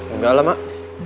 enggak lah mak